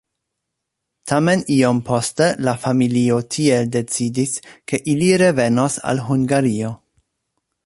Tamen iom poste la familio tiel decidis, ke ili revenos al Hungario.